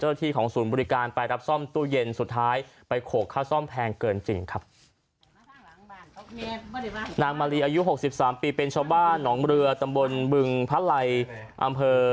ห่วงอายุหกสิบสามปีเป็นเช้าบ้านหนองเรือตำรวจพระไลยอำเภอบัวไร